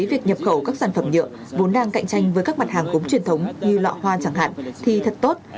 việc nhập khẩu các sản phẩm nhựa vốn đang cạnh tranh với các mặt hàng gốm truyền thống như lọ hoa chẳng hạn thì thật tốt